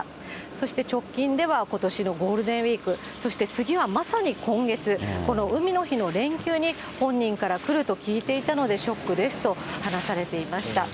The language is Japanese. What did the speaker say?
そして直近では、ことしのゴールデンウィーク、そして次はまさに今月、この海の日の連休に、本人から来ると聞いていたので、ショックですと話されていました。